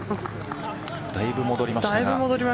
だいぶ戻りました。